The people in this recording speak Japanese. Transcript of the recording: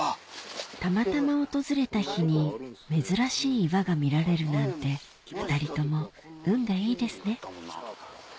たまたま訪れた日に珍しい岩が見られるなんて２人とも運がいいですね